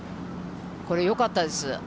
これ、よかったです。